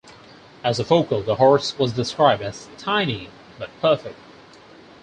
As a foal, the horse was described as "tiny but perfect".